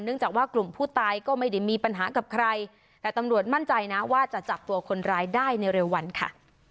จากว่ากลุ่มผู้ตายก็ไม่ได้มีปัญหากับใครแต่ตำรวจมั่นใจนะว่าจะจับตัวคนร้ายได้ในเร็ววันค่ะ